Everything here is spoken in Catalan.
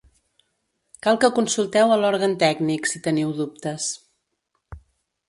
Cal que consulteu a l'òrgan tècnic, si teniu dubtes.